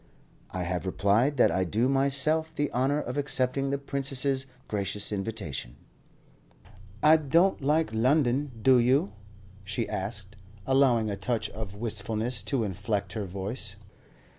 "I have replied that I do myself the honour of accepting the Princess's gracious invitation." "I don't like London, do you?" she asked, allowing a touch of wistfulness to inflect her voice.